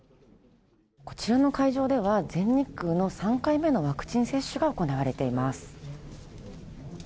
こちらの会場では全日空の３回目のワクチン接種が行われています。